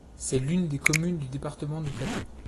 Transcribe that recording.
C'est l'une des communes du département du Plateau.